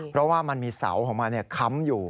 เพราะว่ามันมีเสาของมันค้ำอยู่